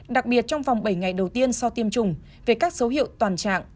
đặc biệt trong vòng bảy ngày đầu tiên sau tiêm chủng về các dấu hiệu toàn trạng